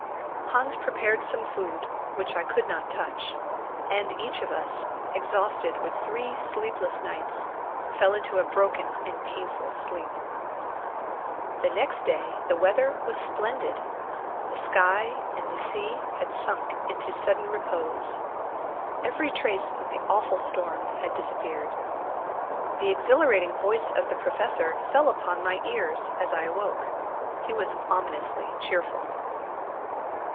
Hans prepared some food, which I could not touch; and each of us, exhausted with three sleepless nights, fell into a broken and painful sleep. The next day the weather was splendid. The sky and the sea had sunk into sudden repose. Every trace of the awful storm had disappeared. The exhilarating voice of the Professor fell upon my ears as I awoke; he was ominously cheerful.